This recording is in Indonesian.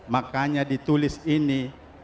makanya ditulis ini